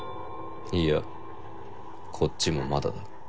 いやこっちもまだだ。